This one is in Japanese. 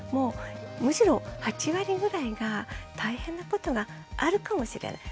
むしろ８割ぐらいが大変なことがあるかもしれない。